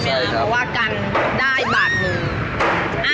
เพราะว่ากันได้บาดมือ